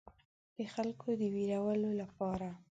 د خلکو د ویرولو لپاره.